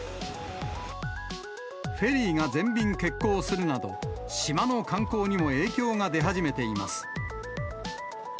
フェリーが全便欠航するなど、島の観光にも影響が出始めています。